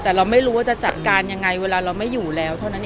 แต่เราไม่รู้ว่าจะจัดการยังไงเวลาเราไม่อยู่แล้วเท่านั้นเอง